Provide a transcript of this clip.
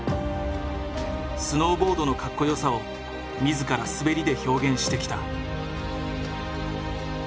スノーボードのカッコよさを自ら滑りで表現してきた。